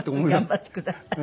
頑張ってください。